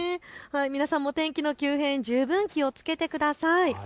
皆さんも天気の急変、十分気をつけてください。